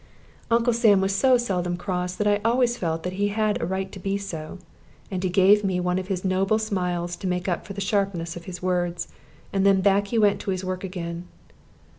Uncle Sam was so seldom cross that I always felt that he had a right to be so. And he gave me one of his noble smiles to make up for the sharpness of his words, and then back he went to his work again.